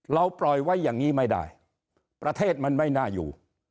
ปล่อยไว้อย่างนี้ไม่ได้ประเทศมันไม่น่าอยู่